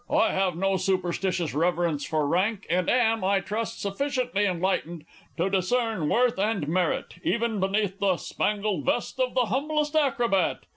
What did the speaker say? I have no superstitious reverence for rank, and am, I trust, sufficiently enlightened to discern worth and merit even beneath the spangled vest of the humblest acrobat.